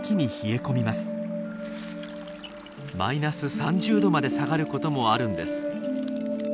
−３０℃まで下がることもあるんです。